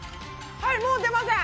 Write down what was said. はいもう出ません！